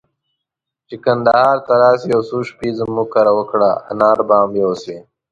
چي کندهار ته راسې، يو څو شپې زموږ کره وکړه، انار به هم يوسې.